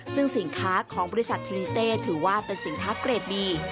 ซึ่งสินค้าของบริษัททริเต้ถือว่าเป็นสินค้าเกรดดี